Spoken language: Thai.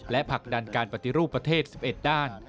และผลักดันการปฏิรูปประเทศ๑๑ด้าน